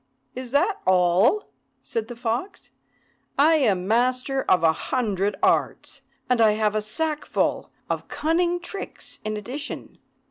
"Is that all?" said the fox. "I am master of a hundred arts, and I have a sackful of cunning tricks in addition.